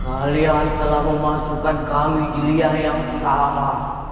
kalian telah memasukkan kami giliar yang sama